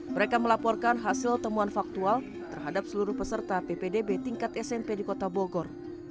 mereka melaporkan hasil temuan faktual terhadap seluruh peserta ppdb tingkat smp di kota bogor